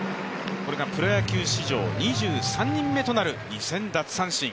これがプロ野球史上２３人目となる２０００奪三振。